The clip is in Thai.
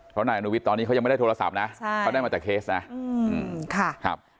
เพราะนายอนุวิทย์ตอนนี้เขายังไม่ได้โทรศัพท์นะใช่เขาได้มาแต่เคสนะอืมค่ะครับ